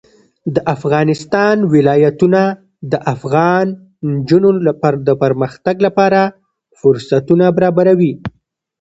د افغانستان ولايتونه د افغان نجونو د پرمختګ لپاره فرصتونه برابروي.